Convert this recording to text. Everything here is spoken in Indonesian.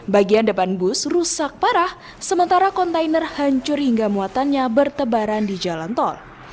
bagian depan bus rusak parah sementara kontainer hancur hingga muatannya bertebaran di jalan tol